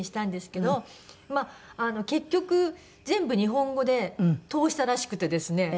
まあ結局全部日本語で通したらしくてですね。